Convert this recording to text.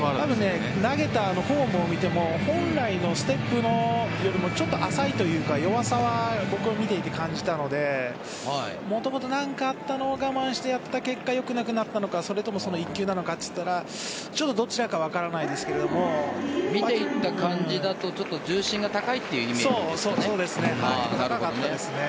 投げたフォームを見ても本来のステップよりもちょっと浅いというか弱さは見ていて感じたのでもともと何かあったのを我慢してやった結果よくなかったのかそれともその１球なのかどちらか分からないですが見ていた感じだと重心が高いというイメージですね。